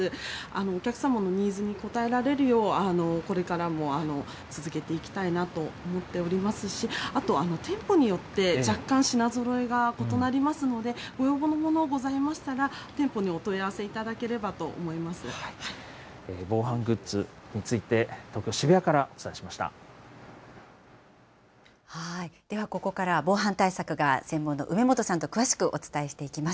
お客様のニーズに応えられるよう、これからも続けていきたいなと思っておりますし、あと、店舗によって、若干品ぞろえが異なりますので、ご要望のものございましたら、店舗にお問い合わせいただけ防犯グッズについて、東京・では、ここから防犯対策が専門の梅本さんと詳しくお伝えしていきます。